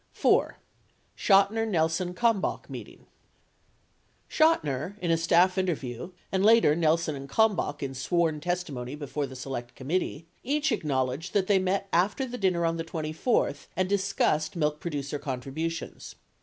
4. CIIOTINER NELSON KALMBACH MEETING Chotiner, in a staff interview, and later Nelson and Kalmbach in sworn testimony before the Select Committee, each acknowledged that they met after the dinner on the 24th, and discussed milk producer contributions.